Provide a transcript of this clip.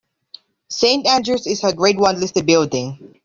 Saint Andrew's is a Grade One listed building.